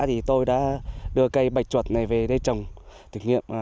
thì tôi đã đưa cây bạch chuột này về đây trồng thử nghiệm